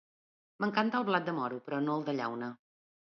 M'encanta el blat de moro, però no el de llauna.